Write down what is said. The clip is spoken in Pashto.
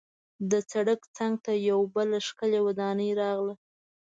د سړک څنګ ته یوه بله ښکلې ودانۍ راغله.